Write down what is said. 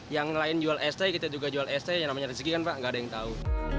yang lain jual este kita juga jual este yang namanya rezeki kan pak nggak ada yang tahu